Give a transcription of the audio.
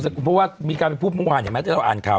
เพราะว่ามีการเป็นผู้ประหว่างอย่างนี้เราอ่านข่าว